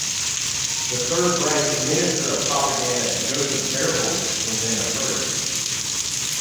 The Third Reich's Minister of Propaganda Joseph Goebbels was in a hurry.